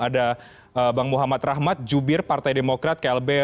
ada bang muhammad rahmat jubir partai demokrat klb